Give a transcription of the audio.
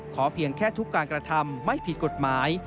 เพียงแค่ทุกการกระทำไม่ผิดกฎหมาย